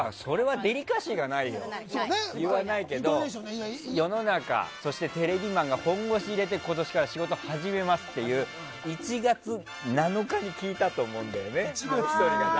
デリカシーがないから言わないけど世の中、テレビマンが本腰入れて今年から仕事を始めますって１月７日に聞いたと思うんだよね。